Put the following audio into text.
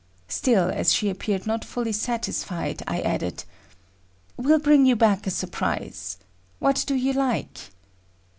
Still as she appeared not fully satisfied, I added; "Will bring you back a surprise. What do you like?"